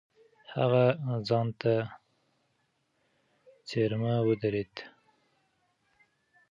هغه ځان ته څېرمه ودرېد.